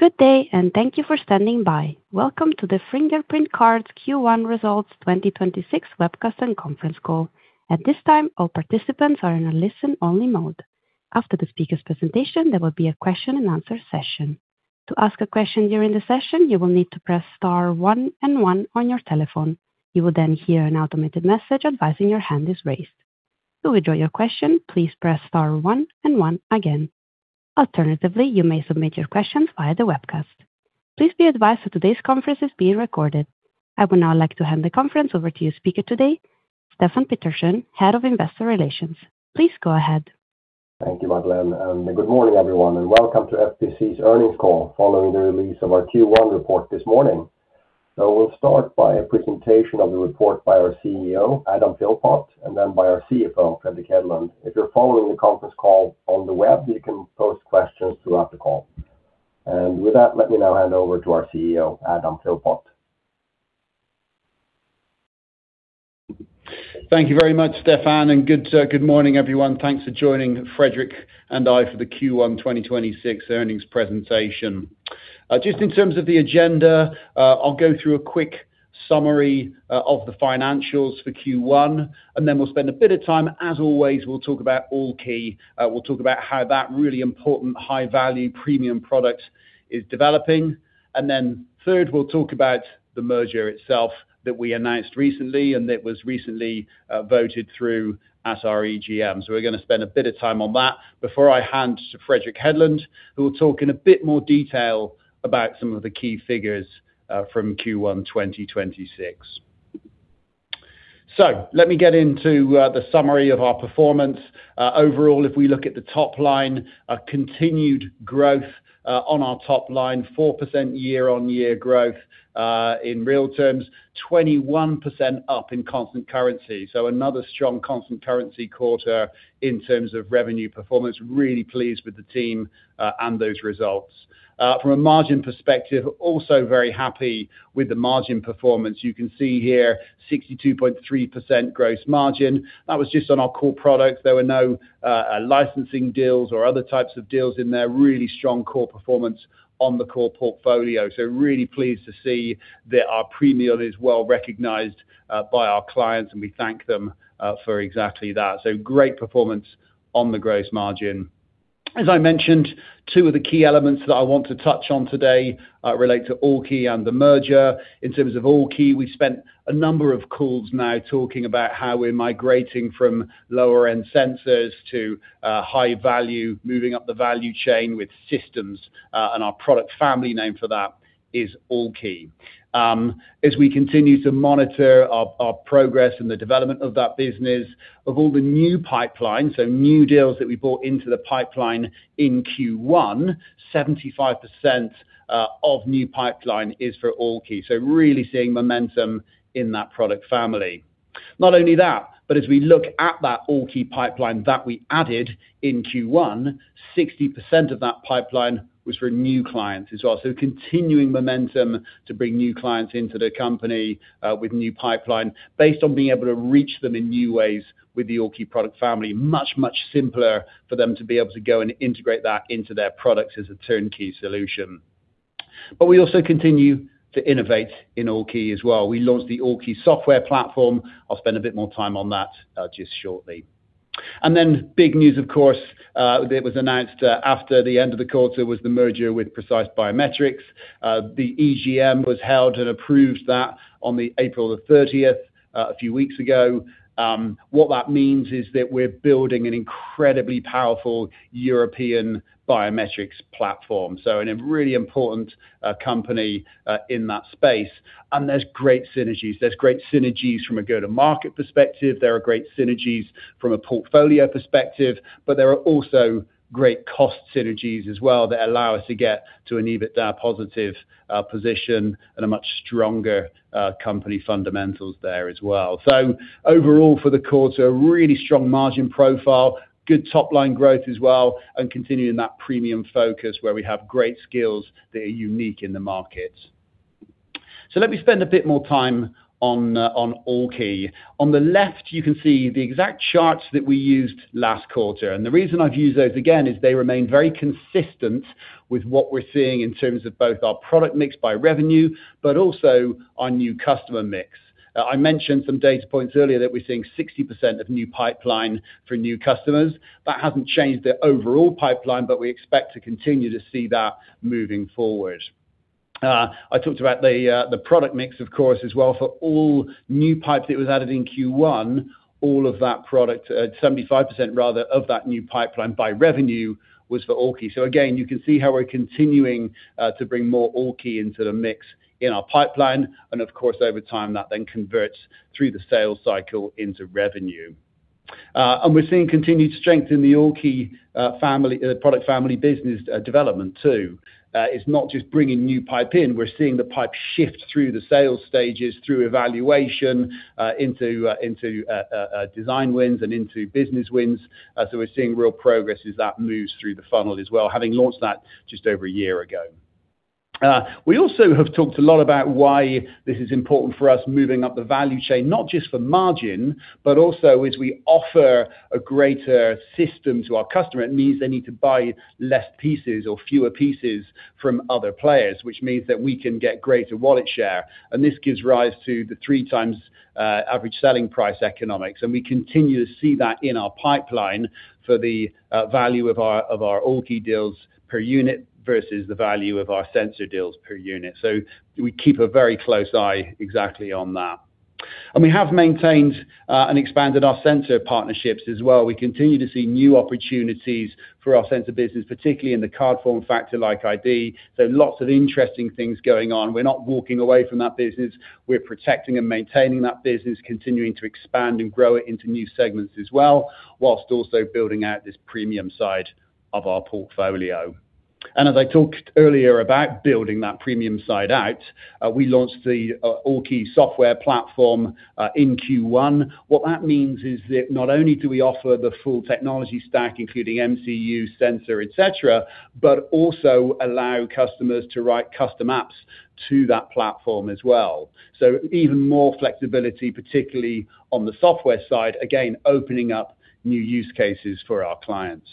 Good day. Thank you for standing by. Welcome to the Fingerprint Cards Q1 Results 2026 webcast and conference call. At this time, all participants are in a listen only mode. After the speaker's presentation, there will be a question-and-answer session. To ask a question during the session, you will need to press star one and one on your telephone. You will hear an automated message advising your hand is raised. To withdraw your question, please press star one and one again. Alternatively, you may submit your question via the webcast. Please be advised that today's conference is being recorded. I would now like to hand the conference over to your speaker today, Stefan Pettersson, Head of Investor Relations. Please go ahead. Thank you, Madeleine, and good morning, everyone, and welcome to FPC's earnings call following the release of our Q1 report this morning. We'll start by a presentation of the report by our CEO, Adam Philpott, and then by our CFO, Fredrik Hedlund. If you're following the conference call on the web, you can post questions throughout the call. With that, let me now hand over to our CEO, Adam Philpott. Thank you very much, Stefan. Good morning, everyone. Thanks for joining Fredrik and I for the Q1 2026 earnings presentation. Just in terms of the agenda, I'll go through a quick summary of the financials for Q1. We'll spend a bit of time. As always, we'll talk about AllKey. We'll talk about how that really important high-value premium product is developing. Third, we'll talk about the merger itself that we announced recently and that was recently voted through at our EGM. We're gonna spend a bit of time on that before I hand to Fredrik Hedlund, who will talk in a bit more detail about some of the key figures from Q1 2026. Let me get into the summary of our performance. Overall, if we look at the top line, a continued growth on our top line, 4% year-on-year growth, in real terms, 21% up in constant currency. Another strong constant currency quarter in terms of revenue performance. Really pleased with the team and those results. From a margin perspective, also very happy with the margin performance. You can see here 62.3% gross margin. That was just on our core products. There were no licensing deals or other types of deals in there. Really strong core performance on the core portfolio. Really pleased to see that our premium is well-recognized by our clients, and we thank them for exactly that. Great performance on the gross margin. As I mentioned, two of the key elements that I want to touch on today, relate to AllKey and the merger. In terms of AllKey, we spent a number of calls now talking about how we're migrating from lower-end sensors to high value, moving up the value chain with systems, and our product family name for that is AllKey. As we continue to monitor our progress and the development of that business, of all the new pipeline, so new deals that we brought into the pipeline in Q1, 75% of new pipeline is for AllKey. Really seeing momentum in that product family. Not only that, but as we look at that AllKey pipeline that we added in Q1, 60% of that pipeline was for new clients as well. Continuing momentum to bring new clients into the company, with new pipeline based on being able to reach them in new ways with the AllKey product family. Much simpler for them to be able to go and integrate that into their products as a turnkey solution. We also continue to innovate in AllKey as well. We launched the AllKey software platform. I'll spend a bit more time on that just shortly. Big news, of course, that was announced after the end of the quarter was the merger with Precise Biometrics. The EGM was held and approved that on the April 30th, a few weeks ago. What that means is that we're building an incredibly powerful European biometrics platform, so a really important company in that space. There's great synergies. There's great synergies from a go-to-market perspective. There are great synergies from a portfolio perspective, there are also great cost synergies as well that allow us to get to an EBITDA positive position and a much stronger company fundamentals there as well. Overall, for the quarter, really strong margin profile, good top-line growth as well, and continuing that premium focus where we have great skills that are unique in the market. Let me spend a bit more time on AllKey. On the left, you can see the exact charts that we used last quarter. The reason I've used those again is they remain very consistent with what we're seeing in terms of both our product mix by revenue, but also our new customer mix. I mentioned some data points earlier that we're seeing 60% of new pipeline for new customers. That hasn't changed the overall pipeline. We expect to continue to see that moving forward. I talked about the product mix, of course, as well. For all new pipe that was added in Q1, all of that product, 75% rather of that new pipeline by revenue was for AllKey. Again, you can see how we're continuing to bring more AllKey into the mix in our pipeline, and of course, over time, that then converts through the sales cycle into revenue. We're seeing continued strength in the AllKey family product family business development too. It's not just bringing new pipe in. We're seeing the pipe shift through the sales stages, through evaluation, into design wins and into business wins. We're seeing real progress as that moves through the funnel as well, having launched that just over a year ago. We also have talked a lot about why this is important for us moving up the value chain, not just for margin, but also as we offer a greater system to our customer, it means they need to buy less pieces or fewer pieces from other players, which means that we can get greater wallet share, and this gives rise to the 3x average selling price economics. We continue to see that in our pipeline for the value of our AllKey deals per unit versus the value of our sensor deals per unit. We keep a very close eye exactly on that. We have maintained and expanded our sensor partnerships as well. We continue to see new opportunities for our sensor business, particularly in the card form factor like ID. Lots of interesting things going on. We're not walking away from that business. We're protecting and maintaining that business, continuing to expand and grow it into new segments as well, whilst also building out this premium side of our portfolio. As I talked earlier about building that premium side out, we launched the AllKey software platform in Q1. What that means is that not only do we offer the full technology stack, including MCU sensor, et cetera, but also allow customers to write custom apps to that platform as well. Even more flexibility, particularly on the software side, again, opening up new use cases for our clients.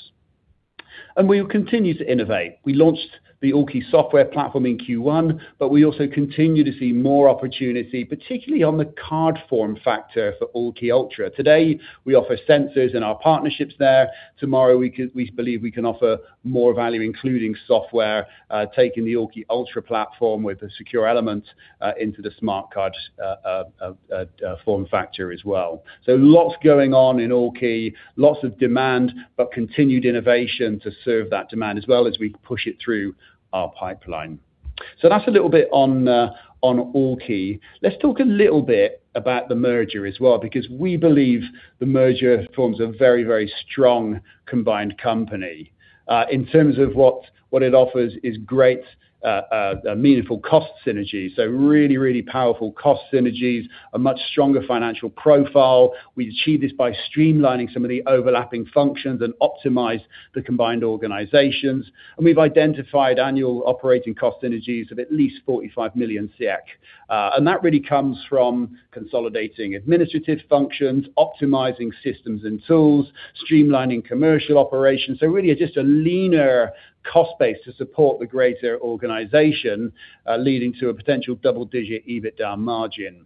We will continue to innovate. We launched the AllKey software platform in Q1, but we also continue to see more opportunity, particularly on the card form factor for AllKey Ultra. Today, we offer sensors in our partnerships there. Tomorrow we believe we can offer more value, including software, taking the AllKey Ultra platform with a secure element into the smart card form factor as well. Lots going on in AllKey, lots of demand, but continued innovation to serve that demand as well as we push it through our pipeline. That's a little bit on AllKey. Let's talk a little bit about the merger as well, because we believe the merger forms a very strong combined company. In terms of what it offers is great, meaningful cost synergies. Really powerful cost synergies, a much stronger financial profile. We achieve this by streamlining some of the overlapping functions and optimize the combined organizations. We've identified annual operating cost synergies of at least 45 million. That really comes from consolidating administrative functions, optimizing systems and tools, streamlining commercial operations. Really just a leaner cost base to support the greater organization, leading to a potential double-digit EBITDA margin.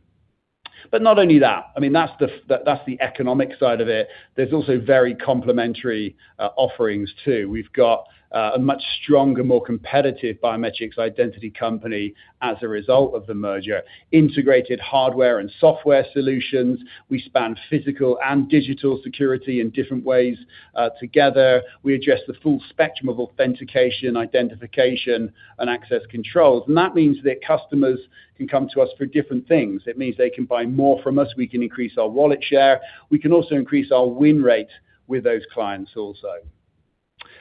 Not only that, I mean, that's the economic side of it. There's also very complementary offerings too. We've got a much stronger, more competitive biometrics identity company as a result of the merger, integrated hardware and software solutions. We span physical and digital security in different ways together. We address the full spectrum of authentication, identification, and access controls. That means that customers can come to us for different things. It means they can buy more from us. We can increase our wallet share. We can also increase our win rate with those clients also.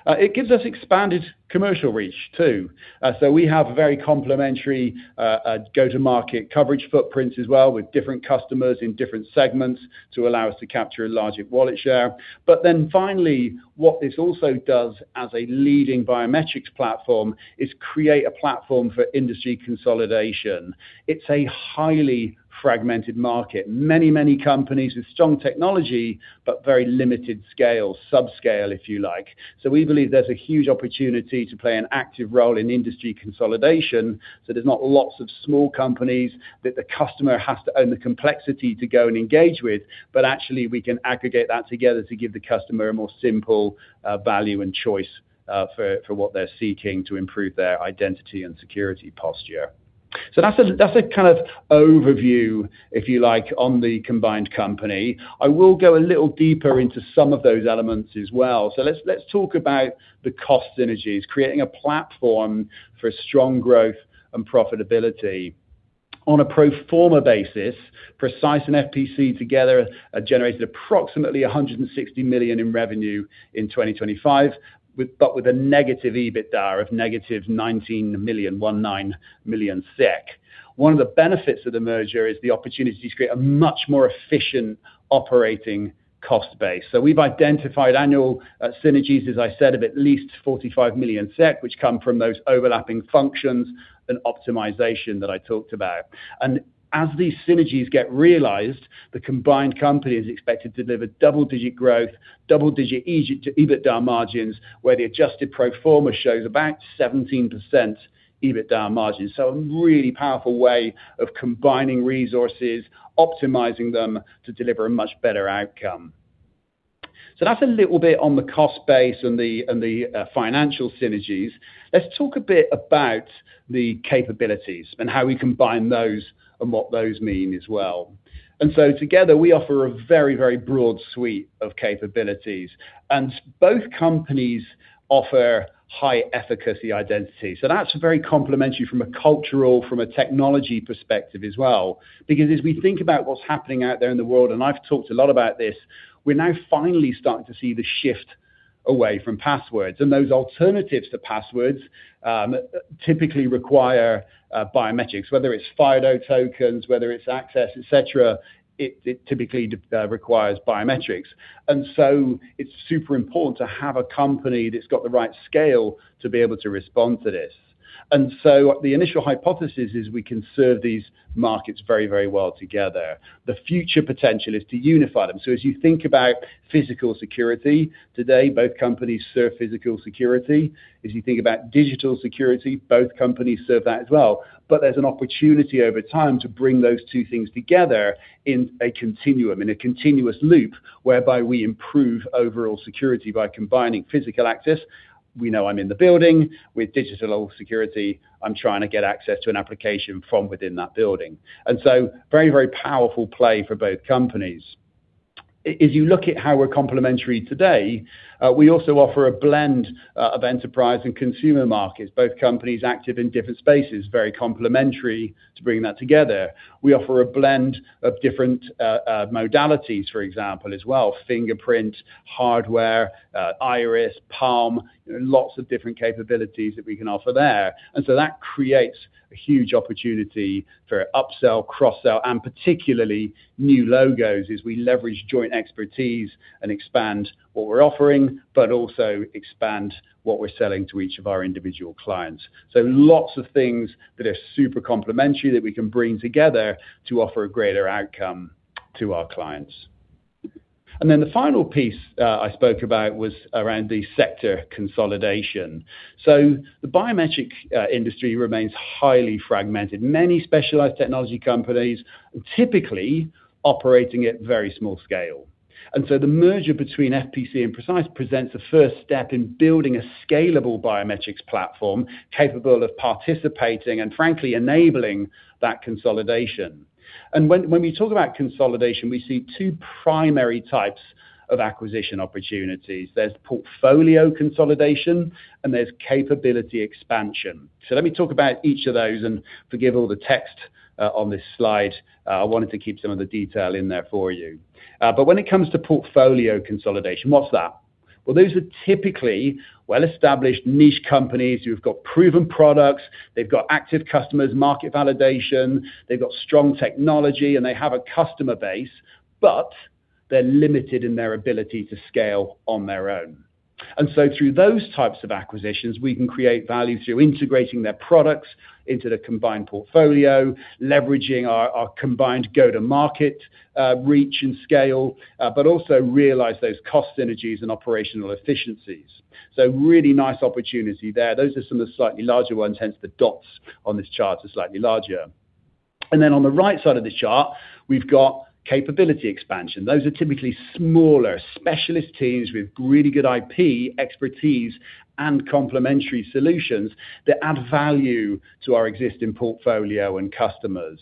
It gives us expanded commercial reach too. We have a very complementary go-to-market coverage footprint as well with different customers in different segments to allow us to capture a larger wallet share. Finally, what this also does as a leading biometrics platform is create a platform for industry consolidation. It's a highly fragmented market. Many companies with strong technology, but very limited scale, sub-scale, if you like. We believe there's a huge opportunity to play an active role in industry consolidation. There's not lots of small companies that the customer has to own the complexity to go and engage with, but actually we can aggregate that together to give the customer a more simple value and choice for what they're seeking to improve their identity and security posture. That's a kind of overview, if you like, on the combined company. I will go a little deeper into some of those elements as well. Let's talk about the cost synergies, creating a platform for strong growth and profitability. On a pro forma basis, Precise and FPC together generated approximately 160 million in revenue in 2025 but with a negative EBITDA of -19 million. One of the benefits of the merger is the opportunity to create a much more efficient operating cost base. We've identified annual synergies, as I said, of at least 45 million SEK, which come from those overlapping functions and optimization that I talked about. As these synergies get realized, the combined company is expected to deliver double-digit growth, double-digit EBITDA margins, where the adjusted pro forma shows about 17% EBITDA margins. A really powerful way of combining resources, optimizing them to deliver a much better outcome. That's a little bit on the cost base and the financial synergies. Let's talk a bit about the capabilities and how we combine those and what those mean as well. Together, we offer a very, very broad suite of capabilities, and both companies offer high efficacy identity. That's very complementary from a cultural, from a technology perspective as well, because as we think about what's happening out there in the world, and I've talked a lot about this, we're now finally starting to see the shift away from passwords. Those alternatives to passwords typically require biometrics, whether it's FIDO tokens, whether it's access, et cetera, it typically requires biometrics. It's super important to have a company that's got the right scale to be able to respond to this. The initial hypothesis is we can serve these markets very, very well together. The future potential is to unify them. As you think about physical security today, both companies serve physical security. As you think about digital security, both companies serve that as well. There's an opportunity over time to bring those two things together in a continuum, in a continuous loop, whereby we improve overall security by combining physical access, we know I'm in the building, with digital security, I'm trying to get access to an application from within that building. Very, very powerful play for both companies. If you look at how we're complementary today, we also offer a blend of enterprise and consumer markets, both companies active in different spaces, very complementary to bring that together. We offer a blend of different modalities, for example, as well, fingerprint, hardware, iris, palm, lots of different capabilities that we can offer there. That creates a huge opportunity for upsell, cross-sell, and particularly new logos as we leverage joint expertise and expand what we're offering, but also expand what we're selling to each of our individual clients. Lots of things that are super complementary that we can bring together to offer a greater outcome to our clients. The final piece I spoke about was around the sector consolidation. The biometric industry remains highly fragmented. Many specialized technology companies typically operating at very small scale. The merger between FPC and Precise presents a first step in building a scalable biometrics platform capable of participating and frankly enabling that consolidation. When we talk about consolidation, we see two primary types of acquisition opportunities. There's portfolio consolidation, and there's capability expansion. Let me talk about each of those, and forgive all the text on this slide. I wanted to keep some of the detail in there for you. When it comes to portfolio consolidation, what's that? Well, those are typically well-established niche companies who've got proven products. They've got active customers, market validation. They've got strong technology, and they have a customer base, but they're limited in their ability to scale on their own. Through those types of acquisitions, we can create value through integrating their products into the combined portfolio, leveraging our combined go-to-market reach and scale, but also realize those cost synergies and operational efficiencies. Really nice opportunity there. Those are some of the slightly larger ones, hence the dots on this chart are slightly larger. On the right side of this chart, we've got capability expansion. Those are typically smaller specialist teams with really good IP expertise and complementary solutions that add value to our existing portfolio and customers.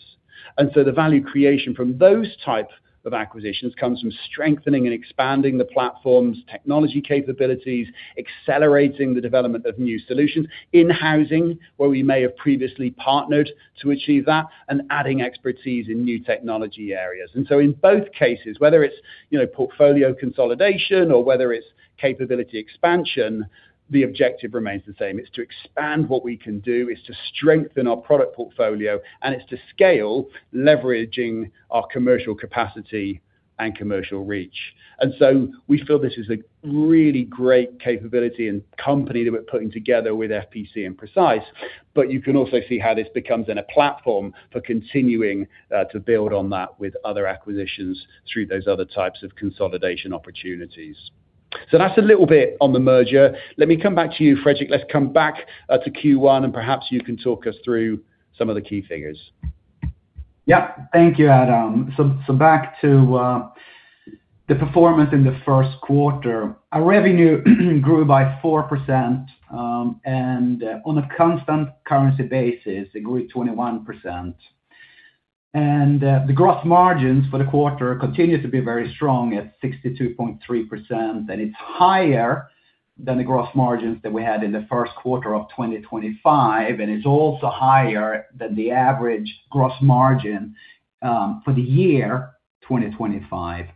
The value creation from those type of acquisitions comes from strengthening and expanding the platform's technology capabilities, accelerating the development of new solutions, in-housing, where we may have previously partnered to achieve that, and adding expertise in new technology areas. In both cases, whether it's, you know, portfolio consolidation or whether it's capability expansion, the objective remains the same. It's to expand what we can do, it's to strengthen our product portfolio, and it's to scale leveraging our commercial capacity and commercial reach. We feel this is a really great capability and company that we're putting together with FPC and Precise. You can also see how this becomes then a platform for continuing to build on that with other acquisitions through those other types of consolidation opportunities. That's a little bit on the merger. Let me come back to you, Fredrik. Let's come back to Q1, and perhaps you can talk us through some of the key figures. Thank you, Adam. Back to the performance in the first quarter. Our revenue grew by 4%, and on a constant currency basis, it grew 21%. The gross margins for the quarter continued to be very strong at 62.3%, and it's higher than the gross margins that we had in the first quarter of 2025, and it's also higher than the average gross margin for the year 2025.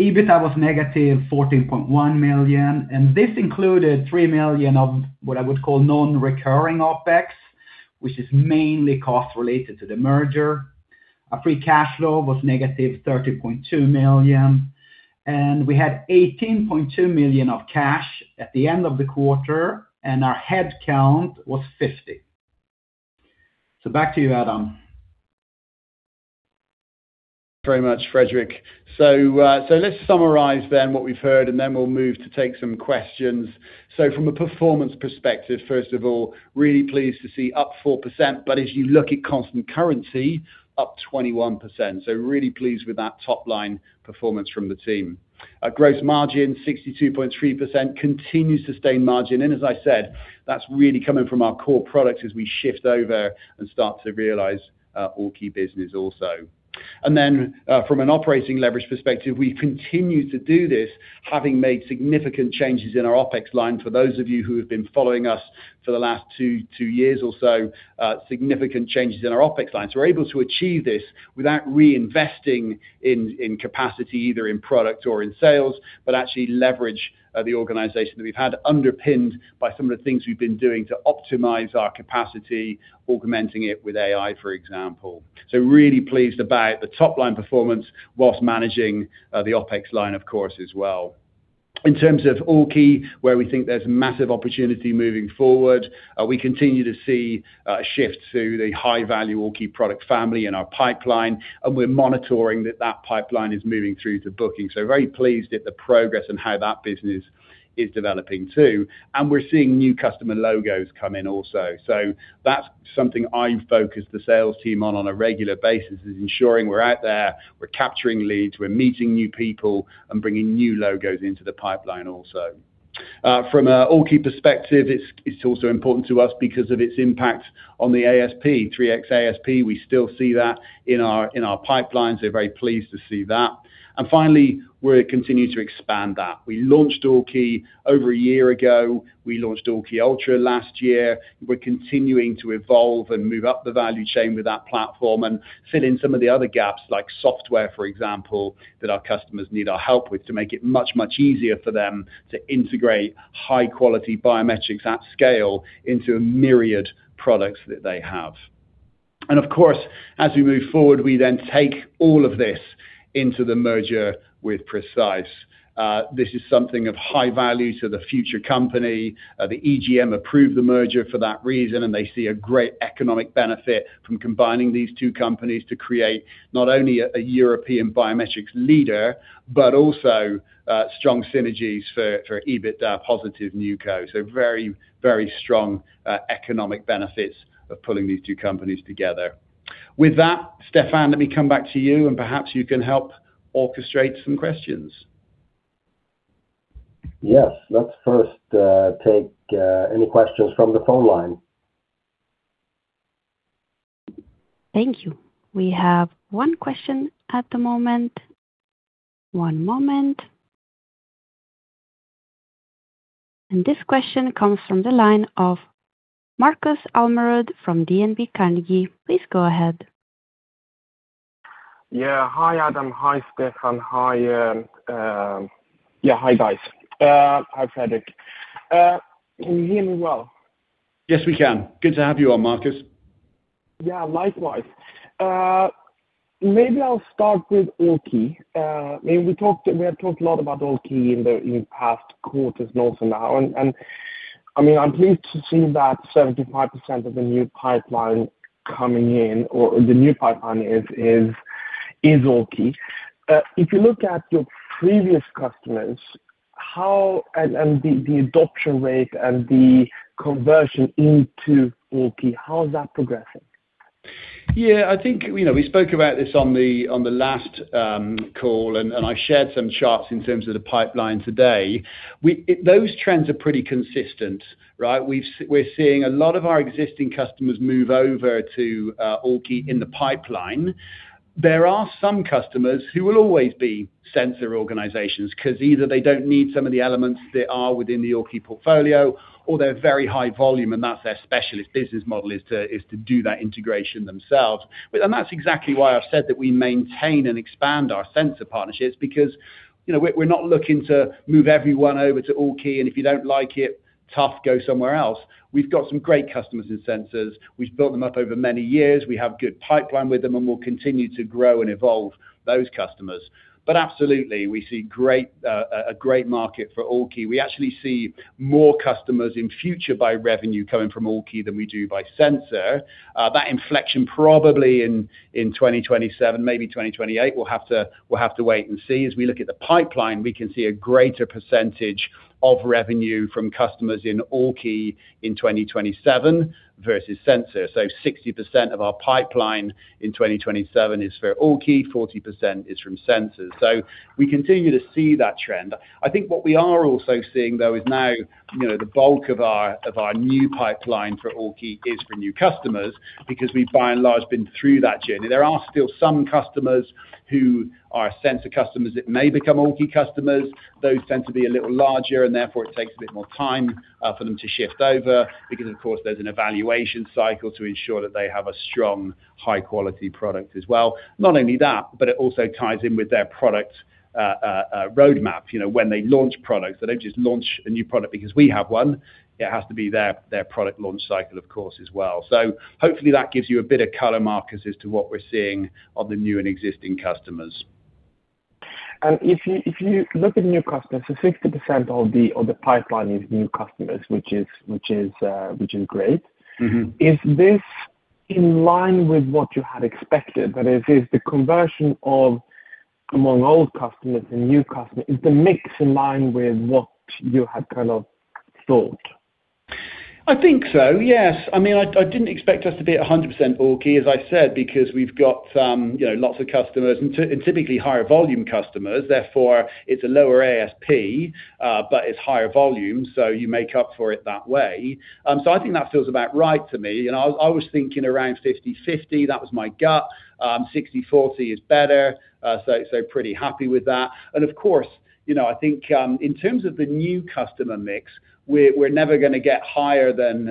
EBITDA was -14.1 million, and this included 3 million of what I would call non-recurring OpEx, which is mainly cost related to the merger. Our free cash flow was -13.2 million, and we had 18.2 million of cash at the end of the quarter, and our head count was 50. Back to you, Adam. Very much, Fredrik. Let's summarize then what we've heard, and then we'll move to take some questions. From a performance perspective, first of all, really pleased to see up 4%. As you look at constant currency, up 21%. Really pleased with that top-line performance from the team. Our gross margin, 62.3%, continued sustained margin. As I said, that's really coming from our core products as we shift over and start to realize AllKey business also. Then, from an operating leverage perspective, we continue to do this having made significant changes in our OpEx line. For those of you who have been following us for the last two years or so, significant changes in our OpEx lines. We're able to achieve this without reinvesting in capacity, either in product or in sales, but actually leverage the organization that we've had underpinned by some of the things we've been doing to optimize our capacity, augmenting it with AI, for example. Really pleased about the top-line performance whilst managing the OpEx line, of course, as well. In terms of AllKey, where we think there's massive opportunity moving forward, we continue to see a shift to the high value AllKey product family in our pipeline, and we're monitoring that that pipeline is moving through to booking. Very pleased at the progress and how that business is developing too. We're seeing new customer logos come in also. That's something I focus the sales team on a regular basis is ensuring we're out there, we're capturing leads, we're meeting new people and bringing new logos into the pipeline also. From an AllKey perspective, it's also important to us because of its impact on the ASP, 3x ASP. We still see that in our pipelines. We're very pleased to see that. Finally, we're continuing to expand that. We launched AllKey over a year ago. We launched AllKey Ultra last year. We're continuing to evolve and move up the value chain with that platform and fill in some of the other gaps like software, for example, that our customers need our help with to make it much, much easier for them to integrate high quality biometrics at scale into a myriad products that they have. Of course, as we move forward, we then take all of this into the merger with Precise. This is something of high value to the future company. The EGM approved the merger for that reason, and they see a great economic benefit from combining these two companies to create not only a European biometrics leader, but also strong synergies for EBITDA positive NewCo. Very, very strong economic benefits of pulling these two companies together. With that, Stefan, let me come back to you and perhaps you can help orchestrate some questions. Yes, let's first take any questions from the phone line. Thank you. We have one question at the moment. One moment. This question comes from the line of Markus Almerud from DNB Carnegie. Please go ahead. Yeah. Hi, Adam. Hi, Stefan. Hi. Yeah, hi, guys. Hi, Fredrik. Can you hear me well? Yes, we can. Good to have you on, Markus. Yeah, likewise. Maybe I'll start with AllKey. I mean, we have talked a lot about AllKey in the past quarters and also now. I mean, I'm pleased to see that 75% of the new pipeline coming in or the new pipeline is AllKey. If you look at your previous customers, how and the adoption rate and the conversion into AllKey, how is that progressing? I think, you know, we spoke about this on the last call and I shared some charts in terms of the pipeline today. Those trends are pretty consistent, right? We're seeing a lot of our existing customers move over to AllKey in the pipeline. There are some customers who will always be sensor organizations because either they don't need some of the elements that are within the AllKey portfolio or they're very high volume and that's their specialist business model is to do that integration themselves. That's exactly why I've said that we maintain and expand our sensor partnerships because, you know, we're not looking to move everyone over to AllKey. If you don't like it, tough, go somewhere else. We've got some great customers in sensors. We've built them up over many years. We have good pipeline with them and we'll continue to grow and evolve those customers. Absolutely, we see a great market for AllKey. We actually see more customers in future by revenue coming from AllKey than we do by sensor. That inflection probably in 2027, maybe 2028, we'll have to wait and see. As we look at the pipeline, we can see a greater percentage of revenue from customers in AllKey in 2027 versus sensor. 60% of our pipeline in 2027 is for AllKey, 40% is from sensors. We continue to see that trend. I think what we are also seeing, though, is now, you know, the bulk of our new pipeline for AllKey is for new customers because we've by and large been through that journey. There are still some customers who are sensor customers that may become AllKey customers. Those tend to be a little larger and therefore it takes a bit more time for them to shift over because, of course, there's an evaluation cycle to ensure that they have a strong, high quality product as well. Not only that, it also ties in with their product roadmap. You know, when they launch products, they don't just launch a new product because we have one. It has to be their product launch cycle, of course, as well. Hopefully that gives you a bit of color, Markus, as to what we're seeing on the new and existing customers. If you look at new customers, so 60% of the pipeline is new customers, which is great. Is this in line with what you had expected? That is the conversion of among old customers and new customers, is the mix in line with what you had kind of thought? I think so, yes. I mean, I didn't expect us to be 100% AllKey, as I said, because we've got, you know, lots of customers and typically higher volume customers. It's a lower ASP, but it's higher volume. You make up for it that way. I think that feels about right to me. You know, I was thinking around 50/50. That was my gut. 60/40 is better. Pretty happy with that. Of course, you know, I think in terms of the new customer mix, we're never going to get higher than,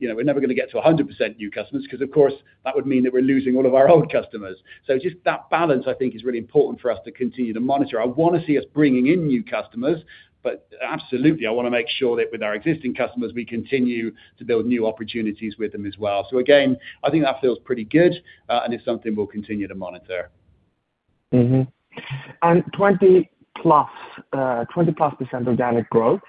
you know, we're never going to get to 100% new customers because, of course, that would mean that we're losing all of our old customers. Just that balance, I think, is really important for us to continue to monitor. I want to see us bringing in new customers. Absolutely, I want to make sure that with our existing customers, we continue to build new opportunities with them as well. Again, I think that feels pretty good and it's something we'll continue to monitor. 20%+ organic growth.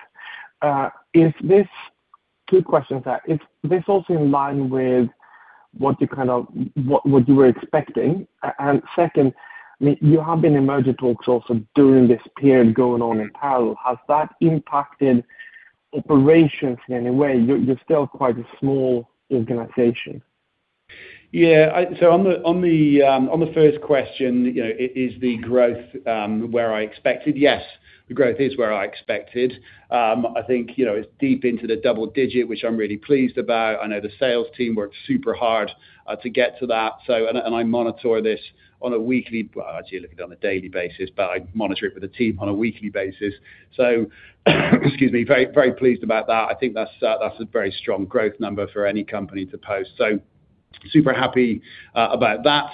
Two questions there. Is this also in line with what you were expecting? Second, I mean, you have been in merger talks also during this period going on in parallel. Has that impacted operations in any way? You're still quite a small organization. Yeah. On the first question, you know, is the growth where I expected? Yes, the growth is where I expected. I think, you know, it's deep into the double-digit, which I'm really pleased about. I know the sales team worked super hard to get to that. I monitor this on a weekly [Well], actually I look at it on a daily basis, but I monitor it with the team on a weekly basis. Excuse me, very pleased about that. I think that's a very strong growth number for any company to post. Super happy about that.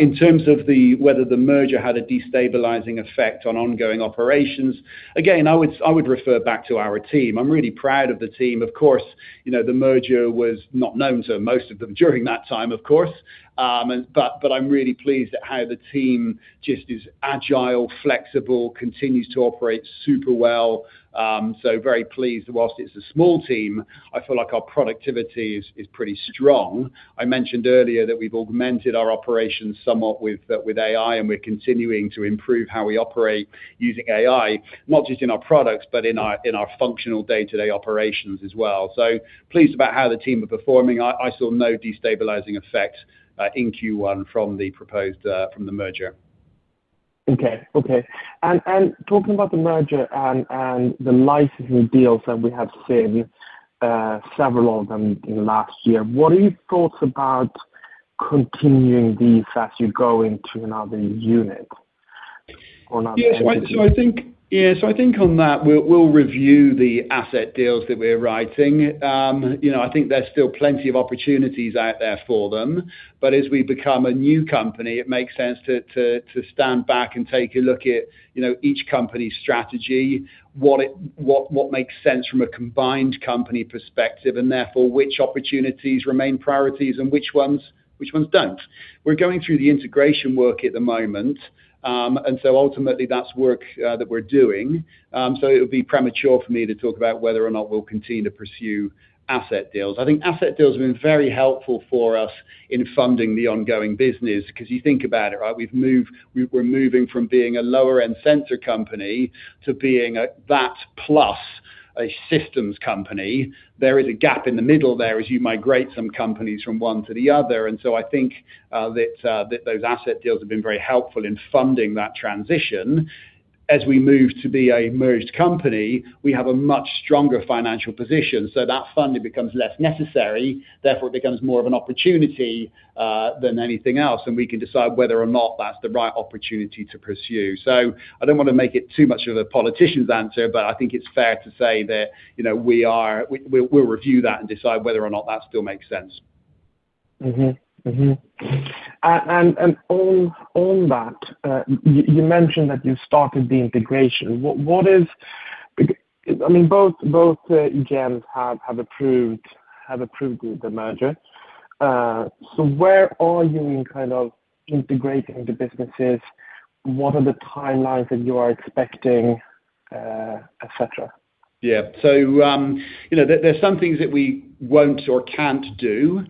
In terms of whether the merger had a destabilizing effect on ongoing operations, again, I would refer back to our team. I'm really proud of the team. Of course, you know, the merger was not known to most of them during that time, of course. But I'm really pleased at how the team just is agile, flexible, continues to operate super well. Very pleased. Whilst it's a small team, I feel like our productivity is pretty strong. I mentioned earlier that we've augmented our operations somewhat with AI, and we're continuing to improve how we operate using AI, not just in our products, but in our functional day-to-day operations as well. Pleased about how the team are performing. I saw no destabilizing effect in Q1 from the proposed from the merger. Okay. Talking about the merger and the licensing deals that we have seen, several of them in the last year, what are your thoughts about continuing these as you go into another unit or another entity? Yes. I think on that, we'll review the asset deals that we're writing. you know, I think there's still plenty of opportunities out there for them. As we become a new company, it makes sense to stand back and take a look at, you know, each company's strategy, what makes sense from a combined company perspective, and therefore which opportunities remain priorities and which ones don't. We're going through the integration work at the moment. Ultimately that's work that we're doing. It would be premature for me to talk about whether or not we'll continue to pursue asset deals. I think asset deals have been very helpful for us in funding the ongoing business. 'Cause you think about it, right? We're moving from being a lower-end sensor company to being a, that plus a systems company. There is a gap in the middle there as you migrate some companies from one to the other. So I think that those asset deals have been very helpful in funding that transition. As we move to be a merged company, we have a much stronger financial position, so that funding becomes less necessary. Therefore, it becomes more of an opportunity than anything else, and we can decide whether or not that's the right opportunity to pursue. I don't wanna make it too much of a politician's answer, but I think it's fair to say that, you know, we'll review that and decide whether or not that still makes sense. On that, you mentioned that you started the integration. What, I mean, both EGMs have approved the merger. Where are you in kind of integrating the businesses? What are the timelines that you are expecting, et cetera? Yeah. You know, there's some things that we won't or can't do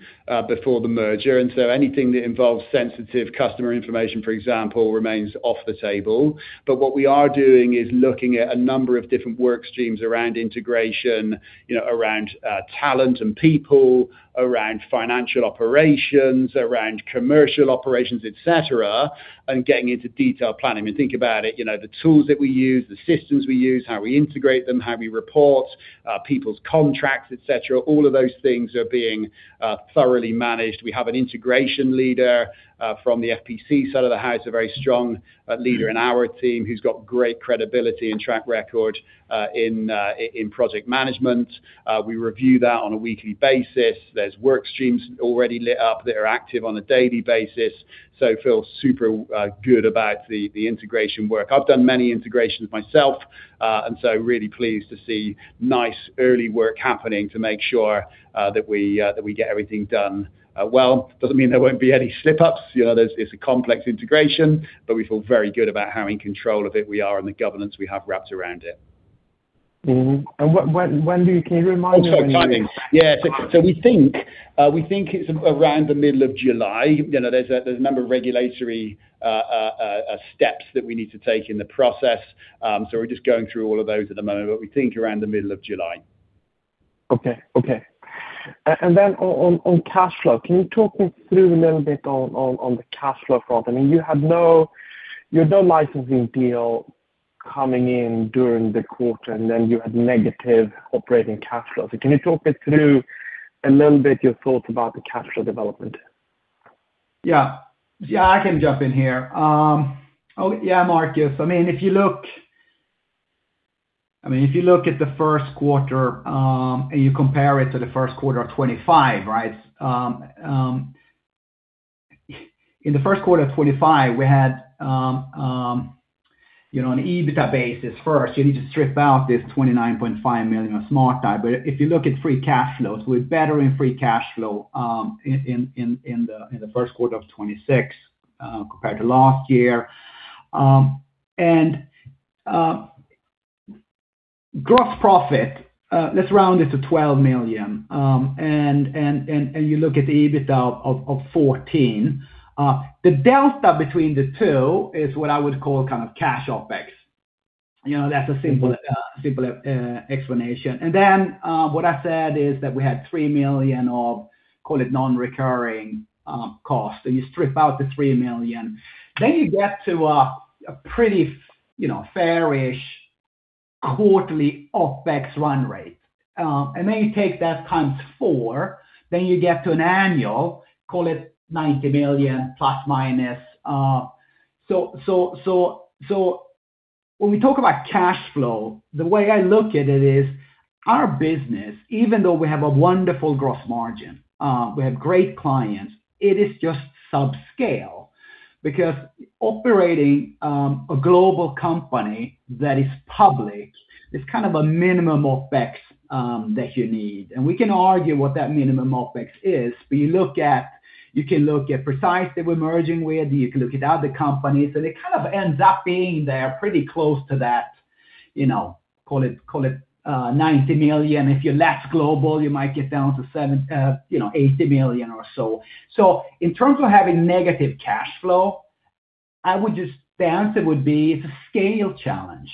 before the merger, anything that involves sensitive customer information, for example, remains off the table. What we are doing is looking at a number of different work streams around integration, you know, around talent and people, around financial operations, around commercial operations, et cetera, and getting into detailed planning. When you think about it, you know, the tools that we use, the systems we use, how we integrate them, how we report, people's contracts, et cetera, all of those things are being thoroughly managed. We have an integration leader from the FPC side of the house, a very strong leader in our team who's got great credibility and track record in project management. We review that on a weekly basis. There's work streams already lit up that are active on a daily basis. Feel super good about the integration work. I've done many integrations myself, really pleased to see nice early work happening to make sure that we get everything done well. Doesn't mean there won't be any slip-ups. You know, it's a complex integration, we feel very good about how in control of it we are and the governance we have wrapped around it. Mm-hmm. Can you remind me when? Oh, sorry. Timing. Yeah. We think it's around the middle of July. You know, there's a number of regulatory steps that we need to take in the process. We're just going through all of those at the moment, but we think around the middle of July. Okay. Okay. Then on cash flow, can you talk me through a little bit on the cash flow front? I mean, you had no licensing deal coming in during the quarter, then you had negative operating cash flow. Can you talk me through a little bit your thoughts about the cash flow development? Yeah. Yeah, I can jump in here. Yeah, Markus. I mean, if you look at the first quarter, and you compare it to the first quarter of 2025, right? In the first quarter of 2025, we had. You know, on an EBITDA basis first, you need to strip out this 29.5 million of Smart Eye. If you look at free cash flows, we're better in free cash flow in the first quarter of 2026 compared to last year. Gross profit, let's round it to 12 million. You look at the EBITDA of 14 million, the delta between the two is what I would call kind of cash OpEx. You know, that's a simple explanation. What I said is that we had 3 million of, call it non-recurring, costs, and you strip out the 3 million. You get to a pretty, you know, fair-ish quarterly OpEx run rate. You take that 4x, then you get to an annual, call it ±90 million. When we talk about cash flow, the way I look at it is our business, even though we have a wonderful gross margin, we have great clients, it is just subscale. Because operating a global company that is public, there's kind of a minimum OpEx that you need. We can argue what that minimum OpEx is, but you can look at Precise that we're merging with, you can look at other companies, and it kind of ends up being there pretty close to that, you know, call it 90 million. If you're less global, you might get down to, you know, 80 million or so. In terms of having negative cash flow, I would just stance it would be it's a scale challenge.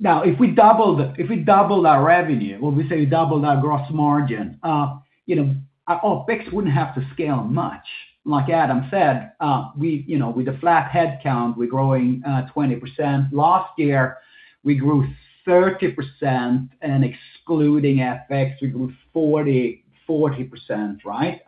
Now if we doubled our revenue, when we say we doubled our gross margin, you know, our OpEx wouldn't have to scale much. Like Adam said, you know, with a flat head count, we're growing 20%. Last year, we grew 30%, and excluding OpEx, we grew 40%, right?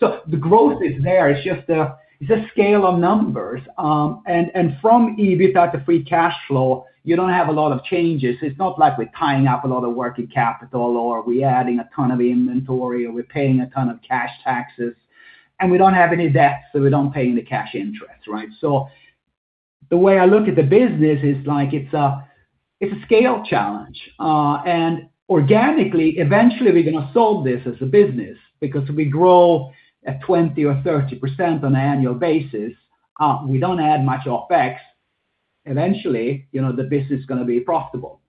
The growth is there. It's just, it's a scale of numbers. From EBITDA to free cash flow, you don't have a lot of changes. It's not like we're tying up a lot of working capital or we're adding a ton of inventory or we're paying a ton of cash taxes, and we don't have any debt, so we don't pay any cash interest, right? The way I look at the business is like it's a scale challenge. Organically, eventually, we're gonna solve this as a business because if we grow at 20% or 30% on an annual basis, we don't add much OpEx, eventually, you know, the business is gonna be profitable,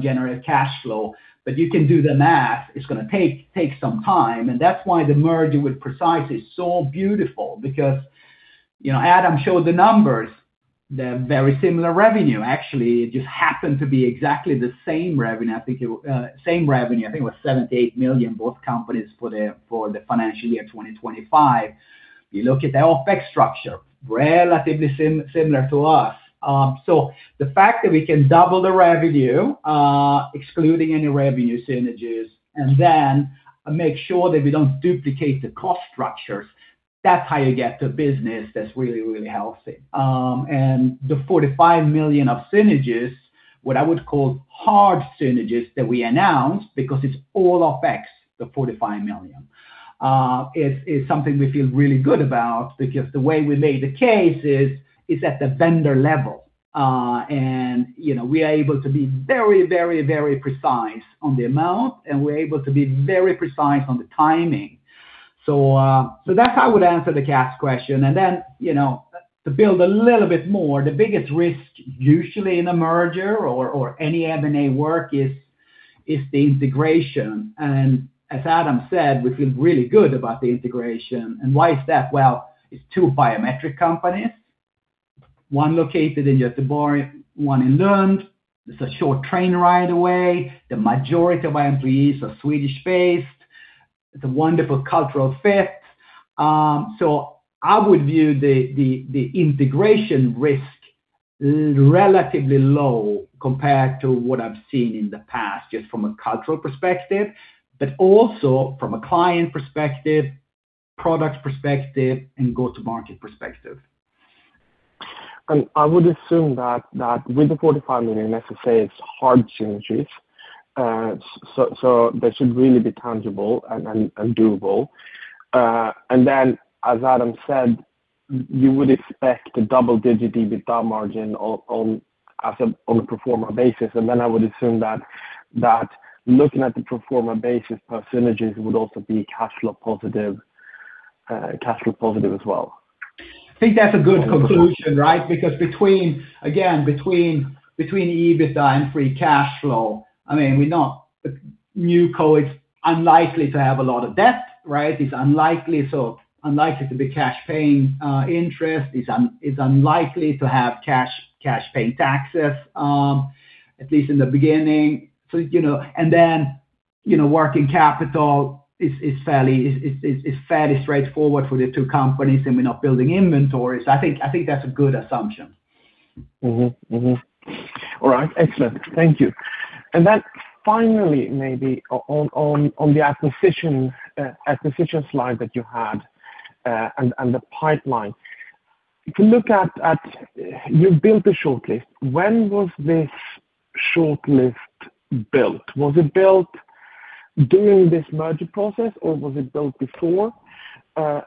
generate cash flow. You can do the math. It's gonna take some time, and that's why the merger with Precise is so beautiful because, you know, Adam showed the numbers. They're very similar revenue. Actually, it just happened to be exactly the same revenue. I think it same revenue. I think it was 78 million, both companies for the financial year 2025. You look at the OpEx structure, relatively similar to us. The fact that we can double the revenue, excluding any revenue synergies, and then make sure that we don't duplicate the cost structures, that's how you get to a business that's really, really healthy. The 45 million of synergies, what I would call hard synergies that we announced because it's all OpEx, the 45 million is something we feel really good about because the way we made the case is it's at the vendor level. You know, we are able to be very, very, very precise on the amount, and we're able to be very precise on the timing. That's how I would answer the cash question. You know, to build a little bit more, the biggest risk usually in a merger or any M&A work is the integration. As Adam said, we feel really good about the integration. Why is that? Well, it's two biometric companies, one located in Gothenburg, one in Lund. It's a short train ride away. The majority of our employees are Swedish-based. It's a wonderful cultural fit. I would view the integration risk relatively low compared to what I've seen in the past, just from a cultural perspective, but also from a client perspective, product perspective, and go-to-market perspective. I would assume that with the 45 million necessary, it's hard synergies. They should really be tangible and doable. As Adam said, you would expect a double-digit EBITDA margin on a pro forma basis. I would assume that looking at the pro forma basis for synergies would also be cash flow positive as well. I think that's a good conclusion, right? Between, again, between EBITDA and free cash flow, I mean, NewCo is unlikely to have a lot of debt, right? It's unlikely to be cash paying interest. It's unlikely to have cash paying taxes, at least in the beginning. You know, you know, working capital is fairly straightforward for the two companies. We're not building inventories. I think that's a good assumption. Mm-hmm. Mm-hmm. All right. Excellent. Thank you. Finally, maybe on the acquisition slide that you had, and the pipeline. If you look at you've built a shortlist. When was this shortlist built? Was it built during this merger process or was it built before? A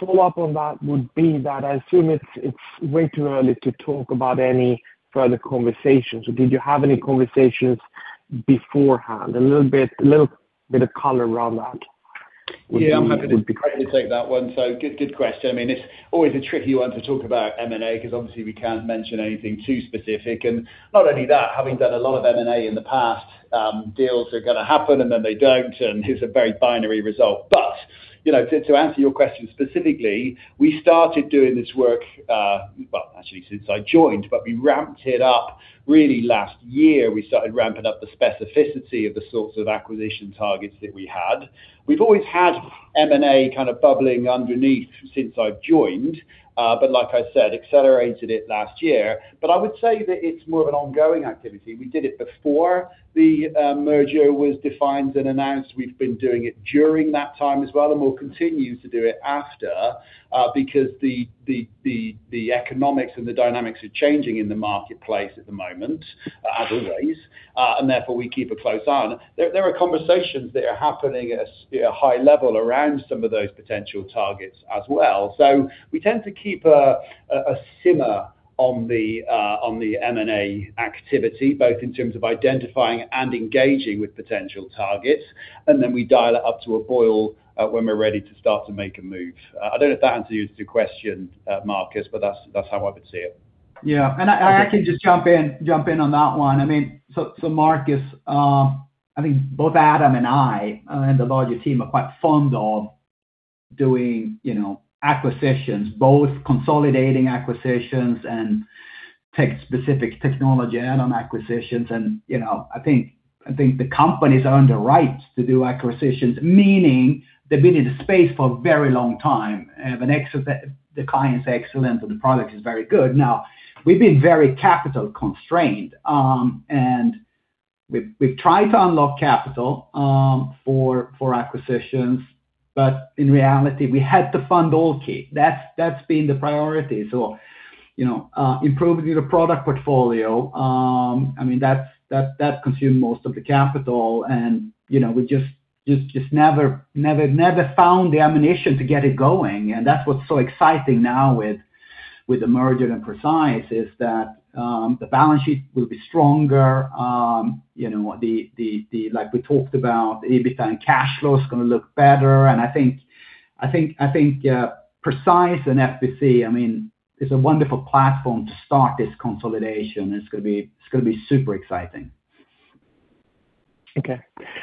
follow-up on that would be that I assume it's way too early to talk about any further conversations. Did you have any conversations beforehand? A little bit of color around that would be great. Yeah, I'm happy to take that one. Good, good question. I mean, it's always a tricky one to talk about M&A because obviously we can't mention anything too specific. Not only that, having done a lot of M&A in the past, deals are gonna happen, and then they don't, and it's a very binary result. You know, to answer your question specifically, we started doing this work, well, actually since I joined, but we ramped it up really last year. We started ramping up the specificity of the sorts of acquisition targets that we had. We've always had M&A kind of bubbling underneath since I've joined, but like I said, accelerated it last year. I would say that it's more of an ongoing activity. We did it before the merger was defined and announced. We've been doing it during that time as well, and we'll continue to do it after, because the economics and the dynamics are changing in the marketplace at the moment, as always, and therefore we keep a close eye on it. There are conversations that are happening at a high level around some of those potential targets as well. We tend to keep a simmer on the M&A activity, both in terms of identifying and engaging with potential targets, and then we dial it up to a boil when we're ready to start to make a move. I don't know if that answered your two questions, Markus, but that's how I would see it. Yeah. I can just jump in on that one. I mean, Markus, I think both Adam and I and the larger team are quite fond of doing, you know, acquisitions, both consolidating acquisitions and tech specific technology add-on acquisitions and, you know. I think the company's earned the right to do acquisitions, meaning they've been in the space for a very long time. Ex of that, the client's excellence and the product is very good. Now, we've been very capital constrained, we've tried to unlock capital for acquisitions, in reality we had to fund OpEx. That's been the priority. You know, improving the product portfolio, I mean, that consumed most of the capital and, you know, we just never found the ammunition to get it going. That's what's so exciting now with the merger and Precise, is that the balance sheet will be stronger. You know, the like we talked about, EBITDA and cash flow is gonna look better. I think, Precise and FPC, I mean, is a wonderful platform to start this consolidation. It's gonna be super exciting. Okay.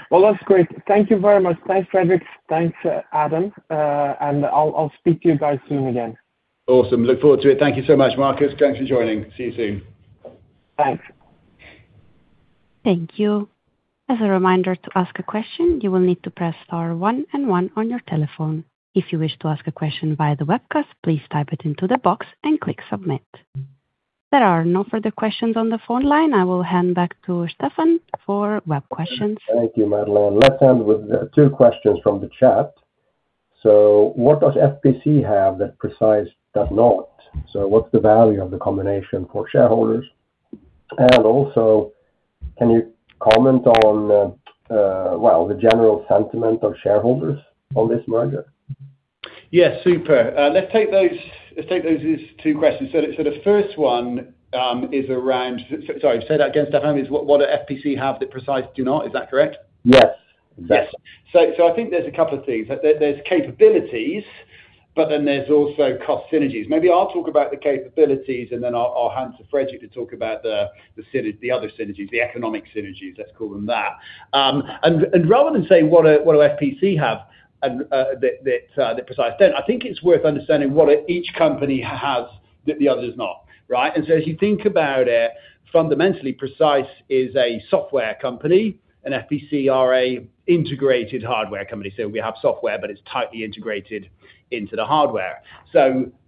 Well that's great. Thank you very much. Thanks Fredrik. Thanks, Adam. I'll speak to you guys soon again. Awesome. Look forward to it. Thank you so much, Markus. Thanks for joining. See you soon. Thanks. Thank you. As a reminder, to ask a question, you will need to press star one and one on your telephone. If you wish to ask a question via the webcast, please type it into the box and click submit. There are no further questions on the phone line. I will hand back to Stefan for web questions. Thank you, Madeleine. Let's end with two questions from the chat. What does FPC have that Precise does not? What's the value of the combination for shareholders? Can you comment on the general sentiment of shareholders on this merger? Yes, super. Let's take those two questions. The first one. Say that again, Stefan. Is what do FPC have that Precise do not? Is that correct? Yes. That's it. Yes. I think there's a couple of things. There's capabilities, but then there's also cost synergies. Maybe I'll talk about the capabilities, and then I'll hand to Fredrik to talk about the other synergies, the economic synergies. Let's call them that. Rather than say what FPC have that Precise don't, I think it's worth understanding what each company has that the other does not, right? As you think about it, fundamentally, Precise is a software company and FPC are a integrated hardware company. We have software, but it's tightly integrated into the hardware.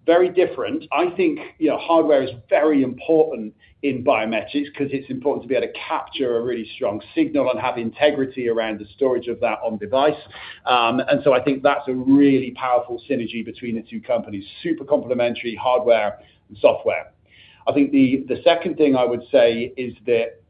Very different. I think, you know, hardware is very important in biometrics because it's important to be able to capture a really strong signal and have integrity around the storage of that on device. I think that's a really powerful synergy between the two companies. Super complementary hardware and software. Second thing I would say is that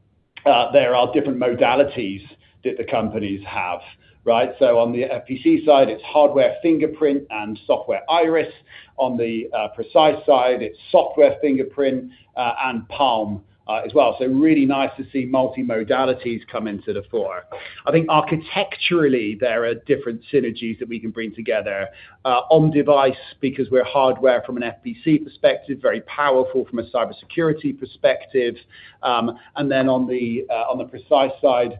there are different modalities that the companies have, right? On the FPC side, it's hardware fingerprint and software iris. On the Precise side, it's software fingerprint and palm as well. Really nice to see multi-modalities come into the fore. I think architecturally there are different synergies that we can bring together on device because we're hardware from an FPC perspective, very powerful from a cybersecurity perspective. On the Precise side,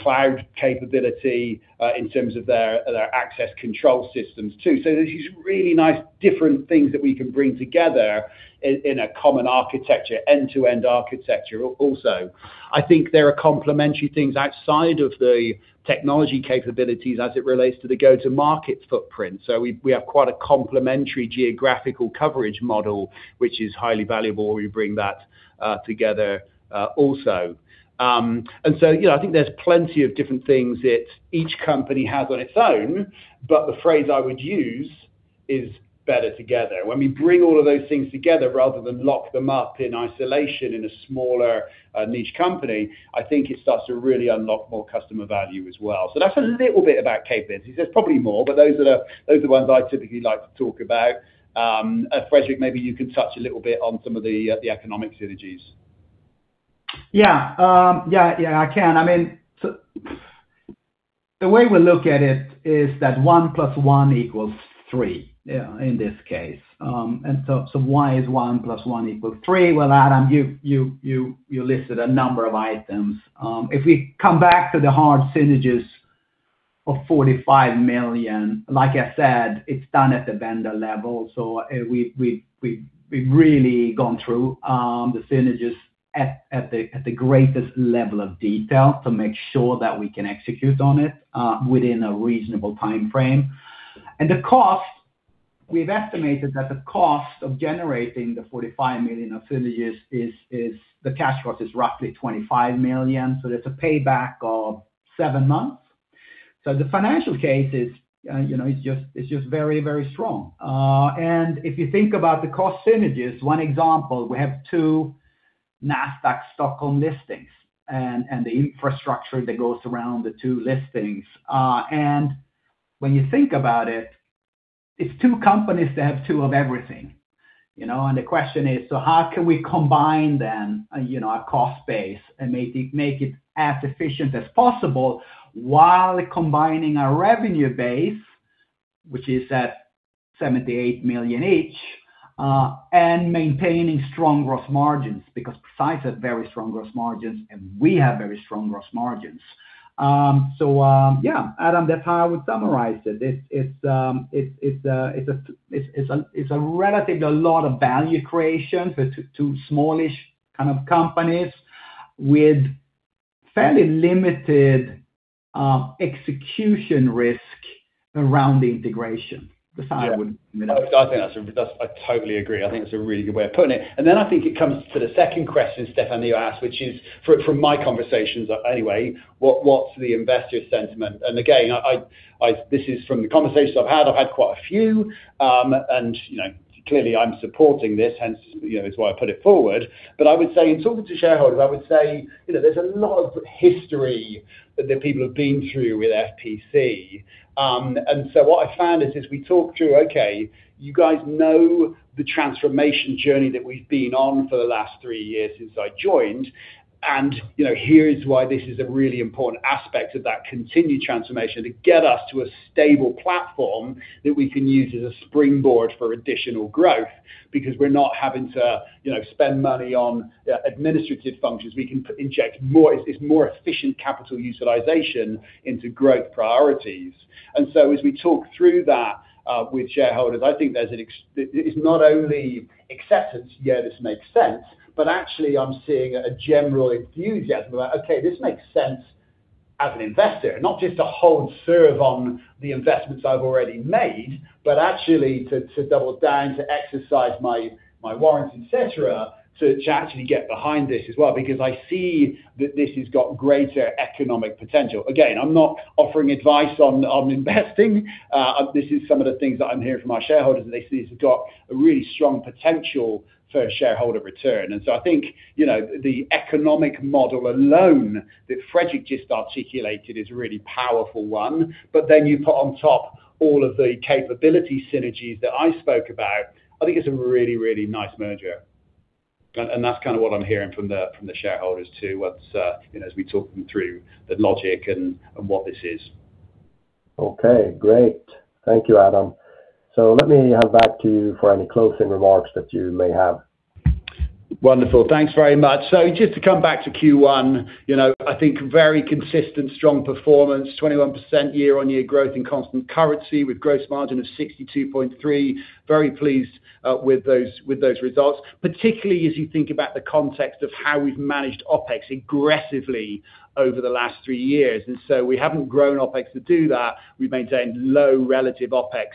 cloud capability in terms of their access control systems too. There's these really nice different things that we can bring together in a common architecture, end-to-end architecture also. I think there are complementary things outside of the technology capabilities as it relates to the go-to-market footprint. We have quite a complementary geographical coverage model, which is highly valuable. We bring that together also. You know, I think there's plenty of different things that each company has on its own, but the phrase I would use is better together. When we bring all of those things together rather than lock them up in isolation in a smaller niche company, I think it starts to really unlock more customer value as well. That's a little bit about capabilities. There's probably more, but those are the ones I typically like to talk about. Fredrik, maybe you can touch a little bit on some of the economic synergies. Yeah. Yeah, yeah, I can. I mean, the way we look at it is that 1 + 1 = 3 in this case. Why is 1 + 1 = 3? Adam, you listed a number of items. If we come back to the hard synergies of 45 million, like I said, it's done at the vendor level. We've really gone through the synergies at the greatest level of detail to make sure that we can execute on it within a reasonable timeframe. The cost, we've estimated that the cost of generating the 45 million of synergies is the cash cost is roughly 25 million, so that's a payback of seven months. The financial case is, you know, it's just very, very strong. If you think about the cost synergies, one example, we have two Nasdaq Stockholm listings and the infrastructure that goes around the two listings. When you think about it's two companies that have two of everything, you know. The question is, how can we combine them, you know, our cost base and make it as efficient as possible while combining our revenue base, which is at 78 million each, and maintaining strong gross margins because Precise have very strong gross margins, and we have very strong gross margins. Yeah, Adam, that's how I would summarize it. It's a relatively a lot of value creation for two smallish kind of companies with fairly limited execution risk around the integration. Yeah. You know? No, I think that's a, I totally agree. I think that's a really good way of putting it. I think it comes to the second question, Stefan, that you asked, which is from my conversations anyway, what's the investor sentiment? This is from the conversations I've had. I've had quite a few. You know, clearly I'm supporting this, hence, you know, it's why I put it forward. I would say in talking to shareholders, I would say, you know, there's a lot of history that the people have been through with FPC. What I found is we talked through, okay, you guys know the transformation journey that we've been on for the last three years since I joined. You know, here is why this is a really important aspect of that continued transformation to get us to a stable platform that we can use as a springboard for additional growth because we're not having to, you know, spend money on administrative functions. It's more efficient capital utilization into growth priorities. As we talk through that with shareholders, I think there is not only acceptance, yeah, this makes sense, but actually I'm seeing a general enthusiasm about, okay, this makes sense as an investor, not just to hold serve on the investments I've already made, but actually to double down, to exercise my warrants, et cetera, to actually get behind this as well because I see that this has got greater economic potential. Again, I'm not offering advice on investing. This is some of the things that I'm hearing from our shareholders that this has got a really strong potential for shareholder return. I think, you know, the economic model alone that Fredrik just articulated is a really powerful one. You put on top all of the capability synergies that I spoke about, I think it's a really, really nice merger. That's kinda what I'm hearing from the shareholders too, once, you know, as we talk them through the logic and what this is. Okay, great. Thank you, Adam. Let me hand back to you for any closing remarks that you may have. Wonderful. Thanks very much. Just to come back to Q1, you know, I think very consistent, strong performance, 21% year-on-year growth in constant currency with gross margin of 62.3%. Very pleased with those results, particularly as you think about the context of how we've managed OpEx aggressively over the last three years. We haven't grown OpEx to do that. We've maintained low relative OpEx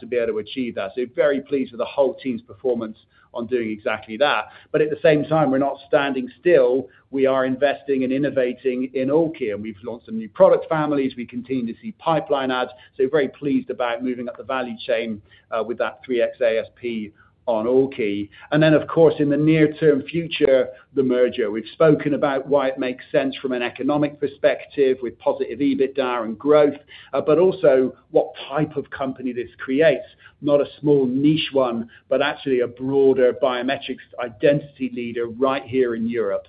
to be able to achieve that. Very pleased with the whole team's performance on doing exactly that. At the same time, we're not standing still. We are investing and innovating in AllKey, and we've launched some new product families. We continue to see pipeline adds, so very pleased about moving up the value chain with that 3x ASP on AllKey. Of course, in the near term future, the merger. We've spoken about why it makes sense from an economic perspective with positive EBITDA and growth, but also what type of company this creates. Not a small niche one, but actually a broader biometrics identity leader right here in Europe.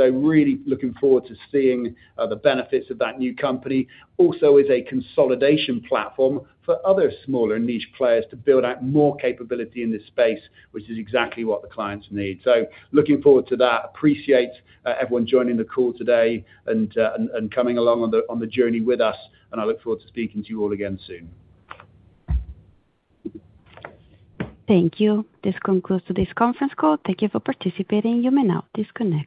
Really looking forward to seeing the benefits of that new company. Also as a consolidation platform for other smaller niche players to build out more capability in this space, which is exactly what the clients need. Looking forward to that. Appreciate everyone joining the call today and coming along on the journey with us, and I look forward to speaking to you all again soon. Thank you. This concludes today's conference call. Thank you for participating. You may now disconnect.